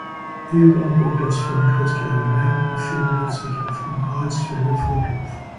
Ihr Grab und das von Christiane Merck befindet sich auf dem Alsfelder Friedhof.